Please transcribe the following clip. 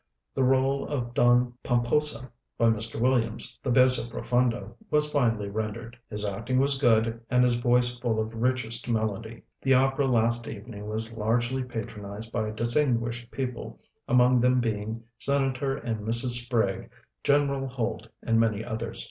"The r├┤le of 'Don Pomposa' by Mr. Williams, the basso profundo, was finely rendered. His acting was good, and his voice full of richest melody. "The opera last evening was largely patronized by distinguished people, among them being Senator and Mrs. Sprague, Gen. Holt, and many others.